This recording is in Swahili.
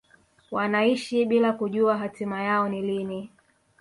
wanaishi bila kujua hatima yao ni lini